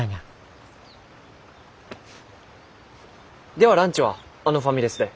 ではランチはあのファミレスで。